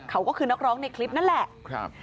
เขาก็คือนักร้องในคลิปนั่นแหละ